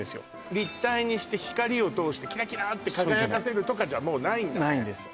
立体にして光を通してキラキラって輝かせるとかじゃもうないんだないんです